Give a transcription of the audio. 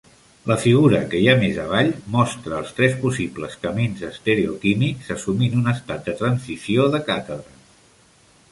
La figura que hi ha més avall mostra els tres possibles camins estereoquímics, assumint un estat de transició de càtedra.